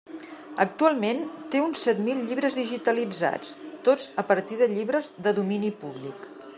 Actualment té uns set mil llibres digitalitzats, tots a partir de llibres de domini públic.